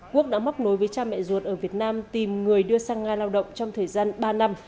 quốc đã móc nối với cha mẹ ruột ở việt nam tìm người đưa sang nga lao động trong thời gian ba năm